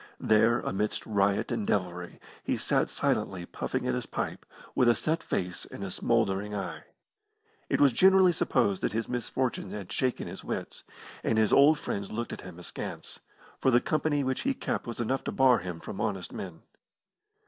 There, amidst riot and devilry, he sat silently puffing at his pipe, with a set face and a smouldering eye. It was generally supposed that his misfortunes had shaken his wits, and his old friends looked at him askance, for the company which he kept was enough to bar him from honest men.